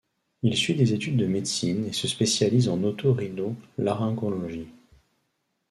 Il suit des études de médecine et se spécialise en oto-rhino-laryngologie.